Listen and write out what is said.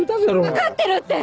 分かってるって！